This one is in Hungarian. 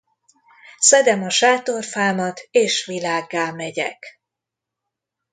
Szedem a sátorfámat, és világgá megyek!